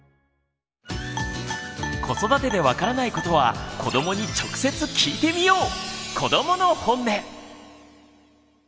子育てで分からないことは子どもに直接聞いてみよう！